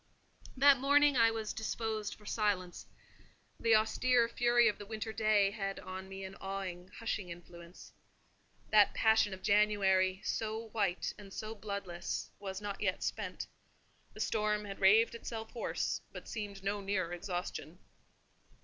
That morning I was disposed for silence: the austere fury of the winter day had on me an awing, hushing influence. That passion of January, so white and so bloodless, was not yet spent: the storm had raved itself hoarse, but seemed no nearer exhaustion.